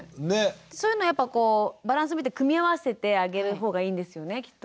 そういうのやっぱこうバランス見て組み合わせてあげる方がいいんですよねきっと。